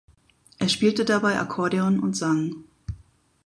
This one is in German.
Er spielte dabei Akkordeon und sang.